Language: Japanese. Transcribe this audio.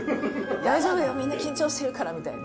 大丈夫だよ、みんな緊張してるからみたいな。